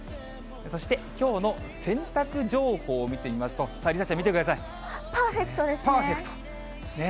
そしてきょうの洗濯情報を見てみますと、梨紗ちゃん、見てくださパーフェクトですね。